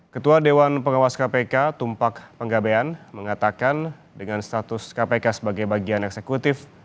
ketua dewan pengawas kpk tumpak penggabean mengatakan dengan status kpk sebagai bagian eksekutif